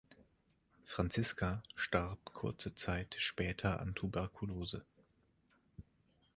Franziska starb kurze Zeit später an Tuberkulose.